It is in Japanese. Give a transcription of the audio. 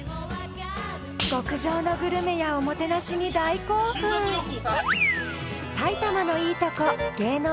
極上のグルメやおもてなしに大興奮修学旅行か！